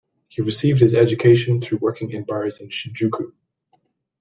He received his education through working in bars in Shinjuku.